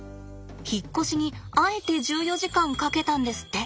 引っ越しにあえて１４時間かけたんですって。